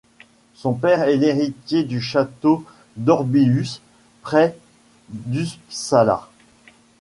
Son père est l'héritier du château d'Örbyhus, près d'Uppsala.